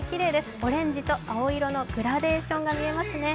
オレンジと青色のグラデーションが見えますね。